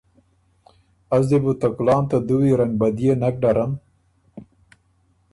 از دی بُو ته کُلان ته دُوی رنګبديے نک ډرم۔